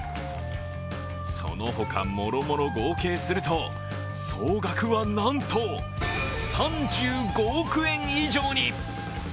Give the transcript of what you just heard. その他もろもろ合計すると、総額はなんと３５億円以上に。